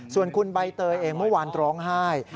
ส่วนคุณใบเตยเองเมื่อวานร้องไห้